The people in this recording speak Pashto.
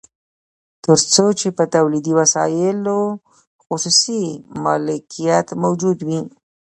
تر څو چې په تولیدي وسایلو خصوصي مالکیت موجود وي